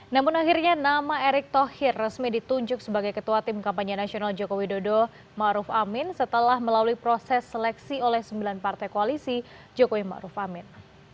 namun akhirnya nama erick thohir resmi ditunjuk sebagai ketua tim kampanye nasional jokowi dodo maruf amin setelah melalui proses seleksi oleh sembilan partai koalisi jokowi ⁇ maruf ⁇ amin